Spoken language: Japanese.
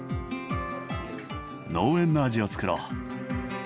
農園の味をつくろう。